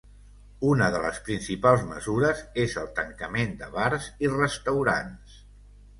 Una de les principals mesures és el tancament de bars i restaurants.